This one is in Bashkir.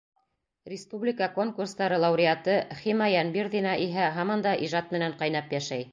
Республика конкурстары лауреаты Хима Йәнбирҙина иһә һаман да ижад менән ҡайнап йәшәй.